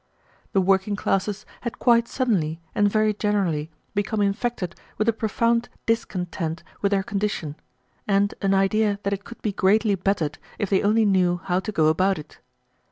The working classes had quite suddenly and very generally become infected with a profound discontent with their condition, and an idea that it could be greatly bettered if they only knew how to go about it.